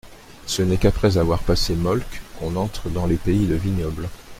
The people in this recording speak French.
Ce n'est qu'après avoir passé Molck qu'on entre dans les pays de vignobles.